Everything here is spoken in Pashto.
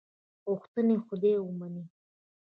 غوښتنې خدای ومني.